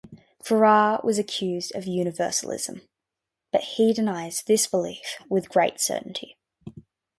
Farrar was accused of universalism, but he denies this belief with great certainty.